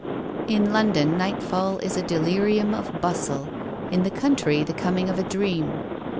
In London nightfall is a delirium of bustle, in the country the coming of a dream.